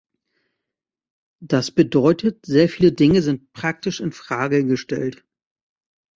Das bedeutet, sehr viele Dinge sind praktisch in Frage gestellt.